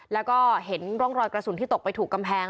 แล้วก็เห็นร่องรอยกระสุนที่ตกไปถูกกำแพง